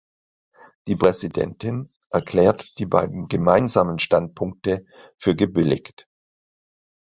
Die Präsidentin erklärt die beiden Gemeinsamen Standpunkte für gebilligt.